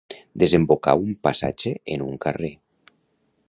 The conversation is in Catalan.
Desembocar un passatge en un carrer.